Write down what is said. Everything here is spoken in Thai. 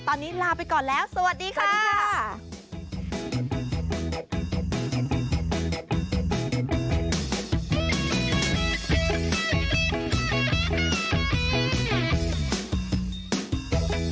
ตอนนี้ลาไปก่อนแล้วสวัสดีค่ะ